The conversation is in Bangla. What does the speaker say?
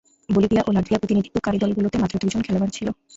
বলিভিয়া ও লাটভিয়ার প্রতিনিধিত্বকারী দলগুলোতে মাত্র দুইজন খেলোয়াড় ছিল।